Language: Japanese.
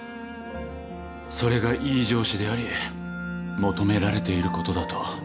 それがいい上司であり求められていることだと。